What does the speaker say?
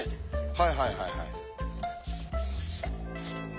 はいはいはいはい。